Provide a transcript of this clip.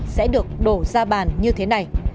sẽ được đổ ra bàn như thế này